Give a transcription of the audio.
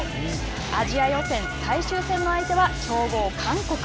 アジア予選最終戦の相手は強豪・韓国。